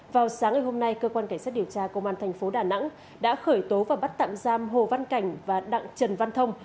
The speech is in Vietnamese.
vào sáng ngày hôm nay cơ quan cảnh sát điều tra công an thành phố đà nẵng đã khởi tố và bắt tạm giam hồ văn cảnh và đặng trần văn thông